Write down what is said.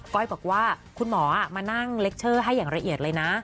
้อยบอกว่าคุณหมอมานั่งเล็กเชอร์ให้อย่างละเอียดเลยนะ